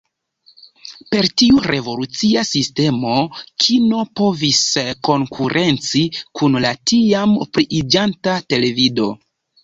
Per tiu revolucia sistemo kino povis konkurenci kun la tiam pliiĝanta televido.